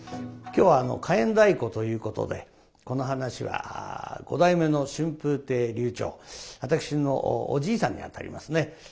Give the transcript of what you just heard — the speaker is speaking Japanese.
今日は「火焔太鼓」ということでこの噺は五代目の春風亭柳朝私のおじいさんにあたりますね。